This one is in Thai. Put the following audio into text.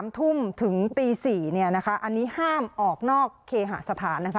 ๓ทุ่มถึงตี๔อันนี้ห้ามออกนอกเคหาสถาน